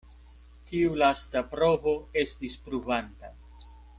Tiu lasta provo estis pruvanta.